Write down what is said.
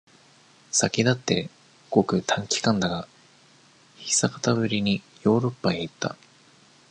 先だって、ごく短期間だが、久方ぶりに、ヨーロッパへ行った。